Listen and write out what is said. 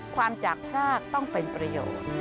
ความจากพรากต้องเป็นประโยชน์